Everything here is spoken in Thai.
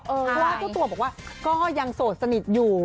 เพราะว่าเจ้าตัวบอกว่าก็ยังโสดสนิทอยู่